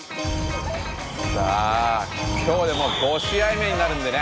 さあ今日でもう５試合目になるんでね